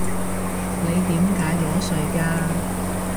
你點解裸睡㗎？